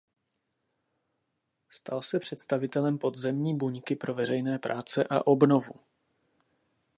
Stal se představitelem podzemní buňky pro veřejné práce a obnovu.